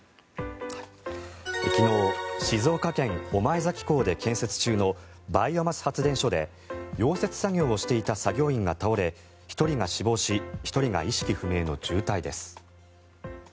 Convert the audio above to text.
昨日静岡県・御前崎港で建設中のバイオマス発電所で溶接作業をしていた作業員が倒れ１人が死亡し１人が意識不明の重体です。